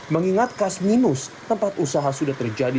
mengingat kas minus tempat usaha sudah terjadi